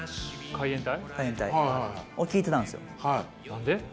海援隊を聴いてたんですよ。何で？